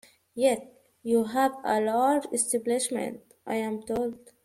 Yet you have a large establishment, I am told?